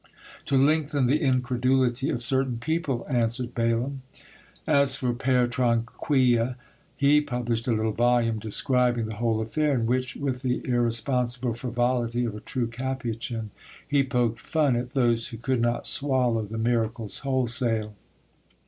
"To lengthen the incredulity of certain people," answered Balaam. As for Pere Tranquille, he published a little volume describing the whole affair, in which, with the irresponsible frivolity of a true Capuchin, he poked fun at those who could not swallow the miracles wholesale.